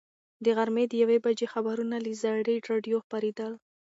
د غرمې د یوې بجې خبرونه له زړې راډیو خپرېدل.